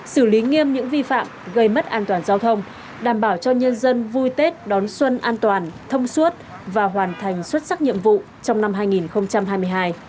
xử lý nghiêm những vi phạm gây mất an toàn giao thông đảm bảo cho nhân dân vui tết đón xuân an toàn thông suốt và hoàn thành xuất sắc nhiệm vụ trong năm hai nghìn hai mươi hai